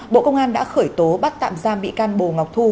bộ công an đã khởi tố bắt tạm giam bị can bồ ngọc thu